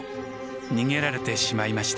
逃げられてしまいました。